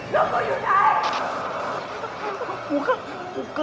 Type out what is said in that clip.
ลูกตัวอยู่ไหน